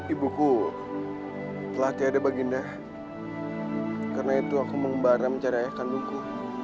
ibuku telah tiada baginda karena itu aku mengembara mencari ayah kandungku